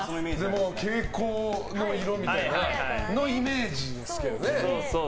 蛍光の色みたいなイメージですけどね。